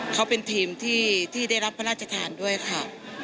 เขาเป็นทีมที่ได้รับพระราชทานด้วยค่ะ